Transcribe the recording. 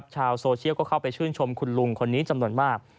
ชาวโซเชียลก็เข้าไปชื่นชมคุณลุงคนนี้จำนวนมาก